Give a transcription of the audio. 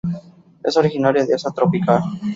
Es originaria de Asia tropical.